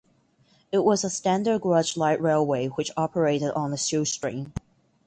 It was a standard gauge light railway which operated on a shoestring.